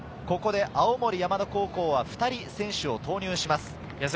ここで青森山田高校は２人選手を投入します。